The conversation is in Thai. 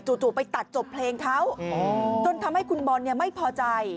ไปตัดจบเพลงเขาจนทำให้คุณบอลไม่พอใจ